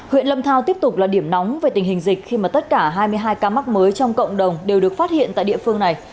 huyện lâm thao tiếp tục là điểm nóng về tình hình dịch khi mà tất cả hai mươi hai ca mắc mới trong cộng đồng đều được phát hiện tại địa phương này